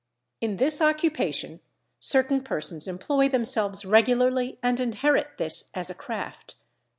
In this occupation certain persons employ themselves regularly and inherit this as a craft.